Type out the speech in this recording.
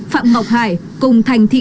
phạm ngọc hải cùng thành thị